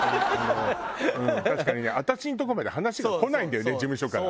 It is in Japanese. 確かにね私のとこまで話が来ないんだよね事務所から。